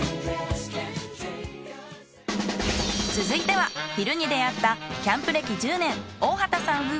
続いては昼に出会ったキャンプ歴１０年大畑さん